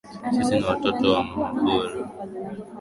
Sisi ni watoto wa mhubiri.